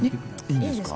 いいんですか？